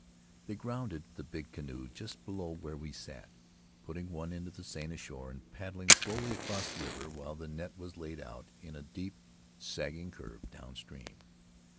They grounded the big canoe just below where we sat, putting one end of the seine ashore and paddling slowly across the river while the net was laid out in a deep, sagging curve downstream.